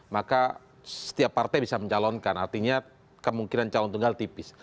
maka setiap partai bisa mencalonkan artinya kemungkinan calon tunggal tipis